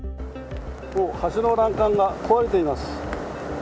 橋の欄干が壊れています。